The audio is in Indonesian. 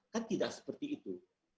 kan tidak seperti itu